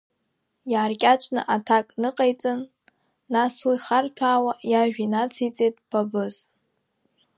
Иааркьаҿны аҭак ныҟаиҵан, нас уи харҭәаауа иажәа инациҵеит Бабыз.